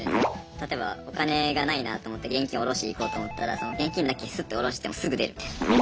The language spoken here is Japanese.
例えばお金がないなと思って現金下ろしに行こうと思ったら現金だけスッと下ろしてもうすぐ出るみたいな。